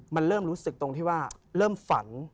มันเริ่มรู้สึกตรงที่ว่าเริ่มฝัน